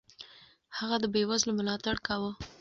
هغه د بېوزلو ملاتړ کاوه.